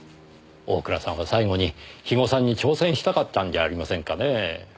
大倉さんは最後に肥後さんに挑戦したかったんじゃありませんかねぇ。